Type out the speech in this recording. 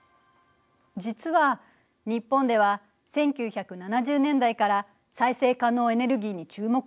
実は日本では１９７０年代から再生可能エネルギーに注目してきたのよ。